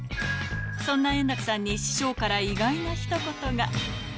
そんな円楽さんに師匠から意外なひと言が。